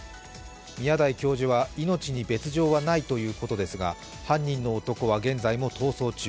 宮台教授は、命に別状はないということですが、犯人の男は現在も逃走中。